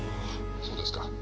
そうですか。